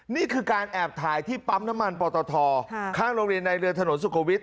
นี่คือการแอบถ่ายที่ปั๊มน้ำมันปอตทข้างโรงเรียนในเรือถนนสุขวิทย